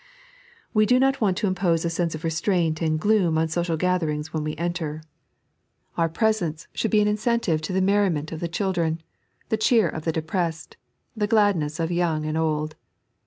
We do not want to impose a sense of restraint and gloom on social gatherings when we enter. Our presence should 3.n.iized by Google 38 Silent Ikplubncb. be an incentive to the merriment of the children, the cheer of the deprcBsed, the gladness of young and old.